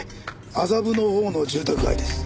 麻布のほうの住宅街です。